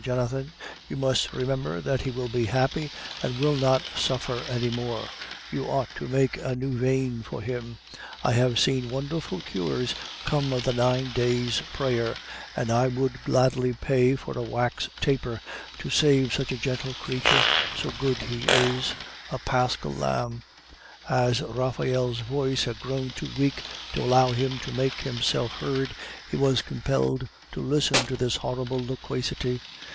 Jonathan; you must remember that he will be happy, and will not suffer any more. You ought to make a neuvaine for him; I have seen wonderful cures come of the nine days' prayer, and I would gladly pay for a wax taper to save such a gentle creature, so good he is, a paschal lamb " As Raphael's voice had grown too weak to allow him to make himself heard, he was compelled to listen to this horrible loquacity.